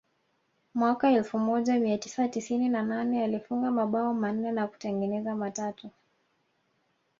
Mwaka elfu moja mia tisa tisini na nane alifunga mabao manne na kutengeneza matatu